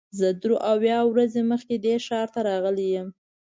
زه درې اویا ورځې مخکې دې ښار ته راغلی یم.